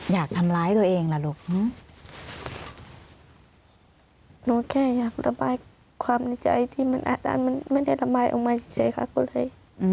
อยากทำร้ายตัวเองล่ะลูกหนูแค่อยากระบายความในใจที่มันอาจได้มันไม่ได้ระบายออกมาเฉยค่ะก็เลย